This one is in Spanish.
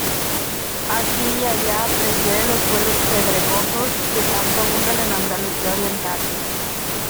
Aquí y allá prefiere los suelos pedregosos que tanto abundan en Andalucía oriental.